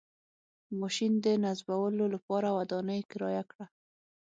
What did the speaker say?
ماشین د نصبولو لپاره ودانۍ کرایه کړه.